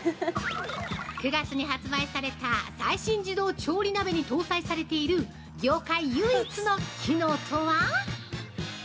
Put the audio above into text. ９月に発売された最新自動調理鍋に搭載されている業界唯一の機能とは？